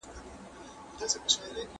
دا تجربه د کلونو په تېرېدو ترلاسه شوې.